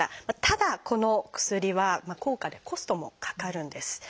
ただこの薬は高価でコストもかかるんです。